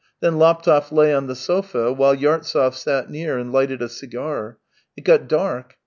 Then Laptev lay on the sofa while Yartsev sat near and lighted a cigar. It got dark.